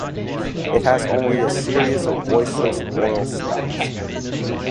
It has only a series of voiceless oral stops.